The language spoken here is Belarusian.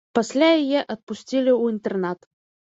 Пасля яе адпусцілі ў інтэрнат.